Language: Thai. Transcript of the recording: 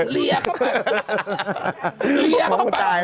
เรียกเข้าไป